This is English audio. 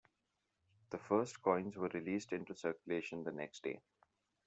The first coins were released into circulation the next day.